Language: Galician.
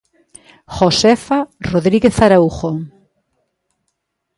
Josefa Rodríguez Araujo.